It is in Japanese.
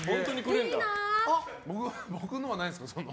僕のはないんですか？